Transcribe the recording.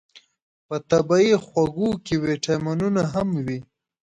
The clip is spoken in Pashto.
په طبیعي خوږو کې ویتامینونه هم وي.